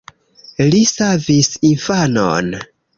Li savis infanon.